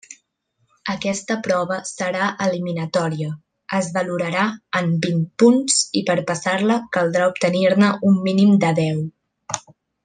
Aquesta prova serà eliminatòria, es valorarà en vint punts i per passar-la caldrà obtenir-ne un mínim de deu.